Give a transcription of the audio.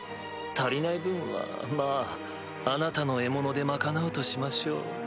足りない分はまぁあなたの獲物で賄うとしましょう。